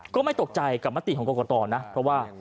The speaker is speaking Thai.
ก็ไม่ตกใจกับมติของกรกตนะเพราะว่า